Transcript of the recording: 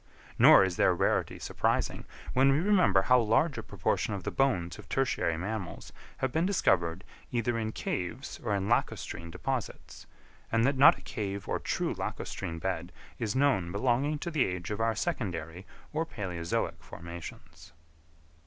Nor is their rarity surprising, when we remember how large a proportion of the bones of tertiary mammals have been discovered either in caves or in lacustrine deposits; and that not a cave or true lacustrine bed is known belonging to the age of our secondary or palæozoic formations.